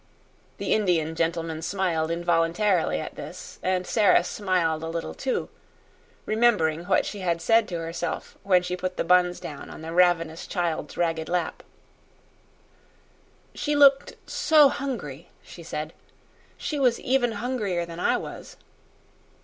The Indian gentleman smiled involuntarily at this, and Sara smiled a little, too, remembering what she had said to herself when she put the buns down on the ravenous child's ragged lap. "She looked so hungry," she said. "She was even hungrier than I was."